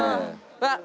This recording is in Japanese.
うわっ！